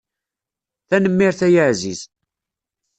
Tanemmirt ay aɛziz.